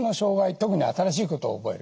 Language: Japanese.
特に新しいことを覚える